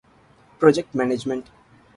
ޕްރޮޖެކްޓް މެނޭޖްމަންޓް